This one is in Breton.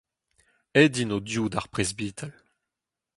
Aet int o-div d’ar presbital.